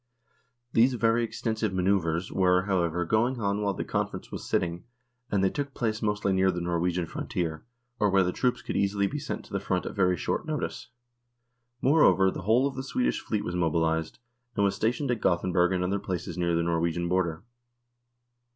These very extensive " manoeuvres " were, however, going on while the conference was sitting, and they took place mostly near the Norwegian frontier, or where the troops could easily be sent to the front at very short notice. Moreover, the whole of the Swedish fleet was mobilised, and was stationed at Gothenburg and other places near the Norwegian border.